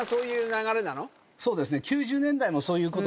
そうですね